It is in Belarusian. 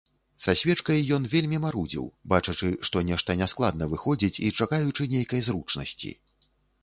Са свечкай ён вельмі марудзіў, бачачы, што нешта няскладна выходзіць, і чакаючы нейкай зручнасці.